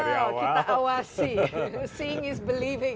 dari awal kita awasi seeing is believing